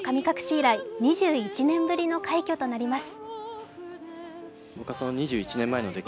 以来２１年ぶりの快挙となります。